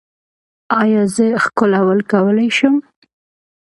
ایا زه ښکلول کولی شم؟